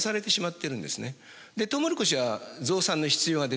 トウモロコシは増産の必要が出てくる。